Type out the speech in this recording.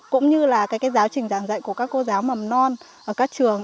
cũng như là giáo trình giảng dạy của các cô giáo mầm non ở các trường